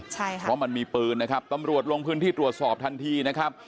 ใช่ค่ะเพราะมันมีปืนนะครับตำรวจลงพื้นที่ตรวจสอบทันทีนะครับ